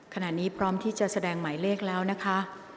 ขณะนี้พร้อมที่จะแสดงหมายเลขแล้วนะคะ